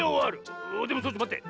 でもちょっとまって。